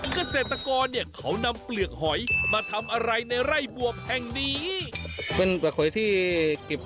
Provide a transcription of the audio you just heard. เกษตรกรเนี่ยเขานำเปลือกหอยมาทำอะไรในไร่บวบแห่งนี้